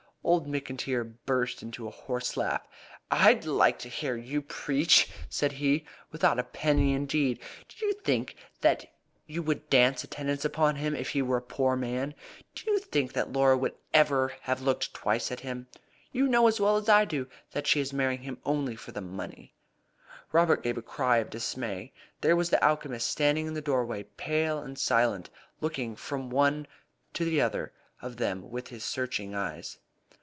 Old McIntyre burst into a hoarse laugh. "I like to hear you preach," said he. "Without a penny, indeed! Do you think that you would dance attendance upon him if he were a poor man? Do you think that Laura would ever have looked twice at him? You know as well as I do that she is marrying him only for his money." Robert gave a cry of dismay. There was the alchemist standing in the doorway, pale and silent, looking from one to the other of them with his searching eyes.